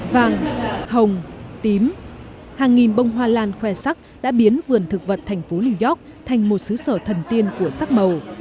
vàng hồng tím hàng nghìn bông hoa lan khoe sắc đã biến vườn thực vật thành phố new york thành một xứ sở thần tiên của sắc màu